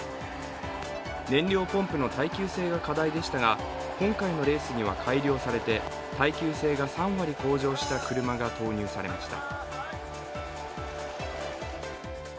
燃料ポンプの耐久性が課題でしたが、今回のレースには改良されて耐久性が３割向上した車が投入されました。